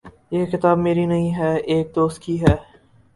یہ کتاب میری نہیں ہے۔ ایک دوست کی ہے